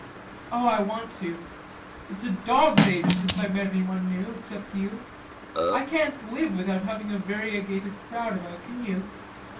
"Oh, I want to.... It's a dog's age since I met anyone new, except you. I can't live without having a variegated crowd about, can you?"